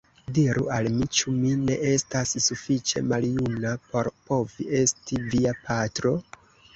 Diru al mi, ĉu mi ne estas sufiĉe maljuna, por povi esti via patro?